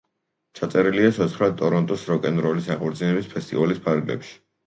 ჩაწერილია ცოცხლად ტორონტოს როკ-ენ-როლის აღორძინების ფესტივალის ფარგლებში.